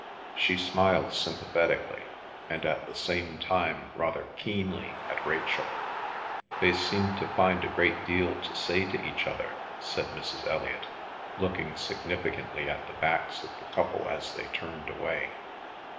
She smiled sympathetically, and at the same time rather keenly, at Rachel. "They seem to find a great deal to say to each other," said Mrs. Elliot, looking significantly at the backs of the couple as they turned away.